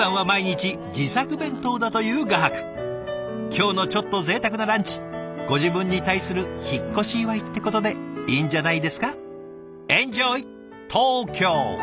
今日のちょっとぜいたくなランチご自分に対する引っ越し祝ってことでいいんじゃないですか。